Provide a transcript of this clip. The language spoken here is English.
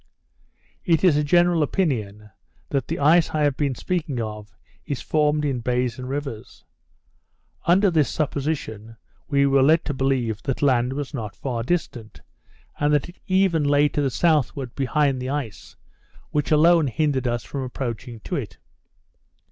It is a general opinion, that the ice I have been speaking of, is formed in bays and rivers. Under this supposition we were led to believe that land was not far distant; and that it even lay to the southward behind the ice, which alone hindered us from approaching to it.